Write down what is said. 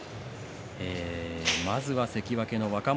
まずは関脇の若元